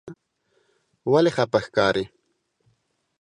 ولې خپه ښکارې؟